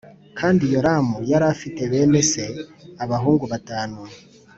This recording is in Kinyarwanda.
Kandi Yoramu yari afite bene se abahungu batanu